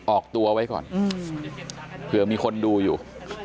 ออกตัวไว้ก่อนเผื่อมีคนดูอยู่